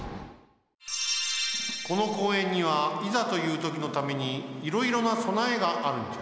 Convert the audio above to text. この公園にはいざというときのためにいろいろなそなえがあるんじゃ。